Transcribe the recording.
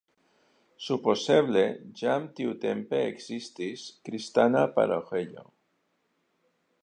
Supozeble jam tiutempe ekzistis kristana paroĥejo.